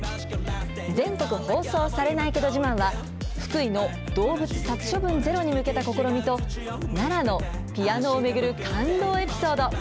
全国放送されないけど自慢は福井の動物殺処分ゼロに向けた試みと、奈良のピアノを巡る感動エピソード。